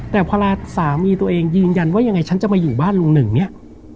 แต่พอสามีตัวเองยืนยันว่ายังไงฉันจะมาอยู่บ้านลุงหนึ่งเนี่ย